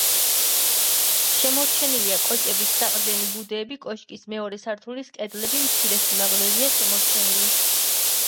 შემორჩენილია კოჭების საყრდენი ბუდეები კოშკის მეორე სართულის კედლები მცირე სიმაღლეზეა შემორჩენილი.